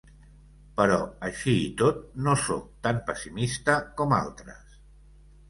Però, així i tot, no sóc tan pessimista com altres.